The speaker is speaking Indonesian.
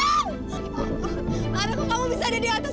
lara kok kamu bisa ada di atas sana